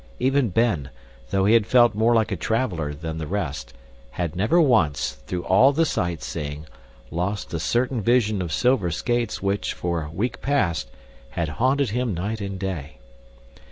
Even Ben, though he had felt more like a traveler than the rest, had never once, through all the sight seeing, lost a certain vision of silver skates which, for a week past, had haunted him night and day.